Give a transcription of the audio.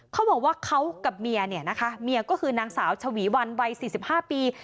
เขาบอกว่าเขากับเมียเนี่ยนะคะเมียก็คือนางสาวชวีวันวัย๔๕ปี